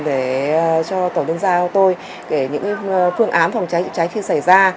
để cho tổ liên gia tôi kể những phương án phòng cháy chữa cháy khi xảy ra